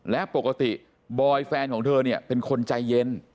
และปกติบอยแฟนของเธอเนี่ยเป็นคนใจเย็น